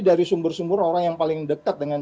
dari sumber sumber orang yang paling dekat dengan